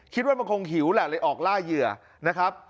คิดว่ามันคงหิวแหละเลยออกล่าเหยื่อนะครับ